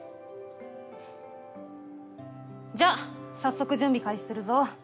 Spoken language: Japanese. じゃあ早速準備開始するぞ。